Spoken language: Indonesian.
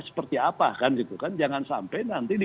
seperti apa kan gitu kan jangan sampai nanti di